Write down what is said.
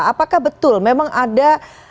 apakah betul memang ada